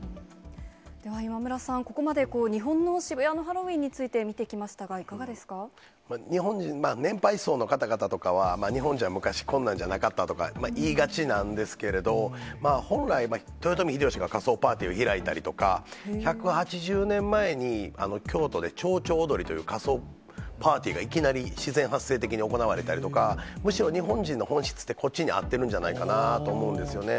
では今村さん、ここまで日本の渋谷のハロウィーンについて見てきましたがいかが日本人、年配層の方々とかは、日本じゃ昔、こんなんじゃなかったとか、言いがちなんですけれど、本来、豊臣秀吉が仮装パーティーを開いたりとか、１８０年前に京都で、ちょうちょう踊りという仮装パーティーがいきなり自然発生的に行われたりとか、むしろ日本人の本質って、こっちに合ってるんじゃないかなと思うんですよね。